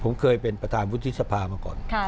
ผมเคยเป็นประธานวุฒิสภามาก่อน